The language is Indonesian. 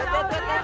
silahkan c jul